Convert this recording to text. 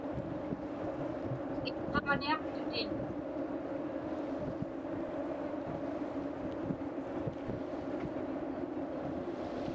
Itqaġniaqtutin.